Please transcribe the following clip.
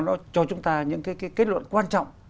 nó cho chúng ta những kết luận quan trọng